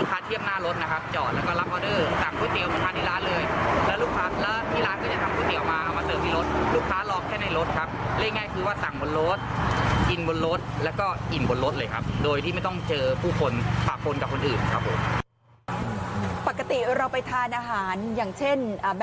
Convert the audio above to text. ปกติเราไปทานอาหารอย่างเช่นแม็กโดนัลอะไรอย่างนี้